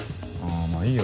まぁいいよ